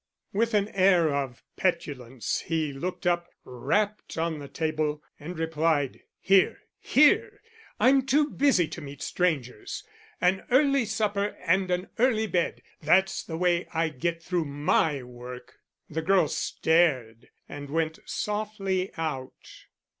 With an air of petulance, he looked up, rapped on the table, and replied: "Here! here! I'm too busy to meet strangers. An early supper and an early bed. That's the way I get through my work." The girl stared and went softly out.